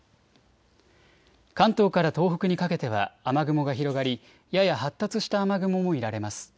関東から東北にかけては雨雲が広がりやや発達した雨雲も見られます。